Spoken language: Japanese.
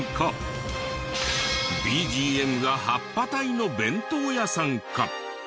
ＢＧＭがはっぱ隊の弁当屋さんか？